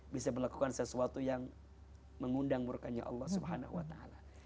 bisa melakukan sesuatu yang mengundang murkanya allah subhanahu wa ta'ala